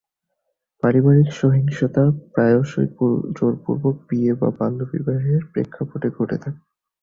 পারিবারিক সহিংসতা প্রায়শই জোরপূর্বক বিয়ে বা বাল্যবিবাহের প্রেক্ষাপটে ঘটে থাকে।